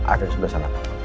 ada di sebelah sana pak